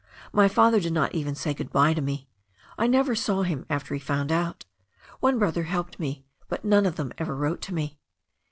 My father did not even say good bye to me — ^I never saw him after he found out. One brother helped me, but none of them ever wrote to me.